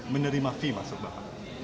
menerima fee maksudnya